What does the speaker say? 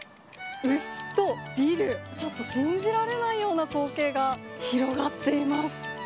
牛とビル、ちょっと信じられないような光景が広がっています。